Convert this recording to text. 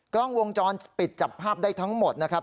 กล้องวงจรปิดจับภาพได้ทั้งหมดนะครับ